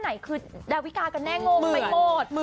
แล้ววิกากันแน่งงไปหมด